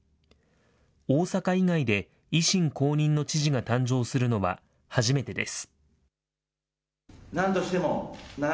大阪以外で維新公認の知事が誕生するのは初めてです。